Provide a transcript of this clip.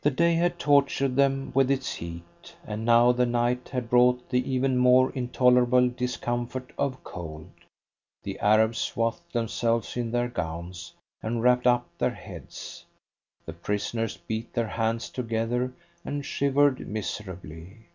The day had tortured them with its heat, and now the night had brought the even more intolerable discomfort of cold. The Arabs swathed themselves in their gowns and wrapped up their heads. The prisoners beat their hands together and shivered miserably.